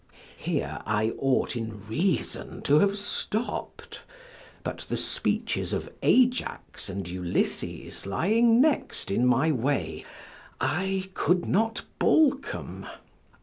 Here I ought in reason to have stopp'd; but the speeches of Ajax and Ulysses lying next in my way, I could not balk 'em.